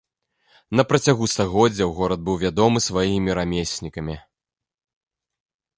На працягу стагоддзяў горад быў вядомы сваімі рамеснікамі.